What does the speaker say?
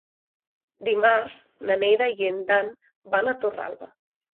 Dimarts na Neida i en Dan van a Torralba.